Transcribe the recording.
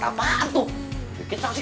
tapi kalau begini caranya